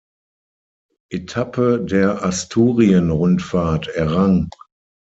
Etappe der Asturien-Rundfahrt errang.